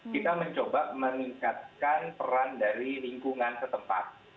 kita mencoba meningkatkan peran dari lingkungan ke tempat